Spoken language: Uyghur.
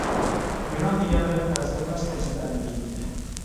مېنىڭ دېگەنلىرىم پەرەز ئەمەس تەجرىبە ئەمەلىيىتى.